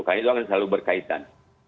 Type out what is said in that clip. karena itu akan selalu berkaitan